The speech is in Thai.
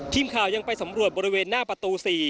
ทีมข่าวยังไปสำรวจบริเวณหน้าประตู๔